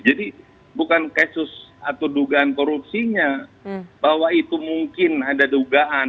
jadi bukan kasus atau dugaan korupsinya bahwa itu mungkin ada dugaan